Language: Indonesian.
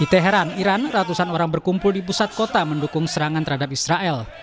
tidak heran iran ratusan orang berkumpul di pusat kota mendukung serangan terhadap israel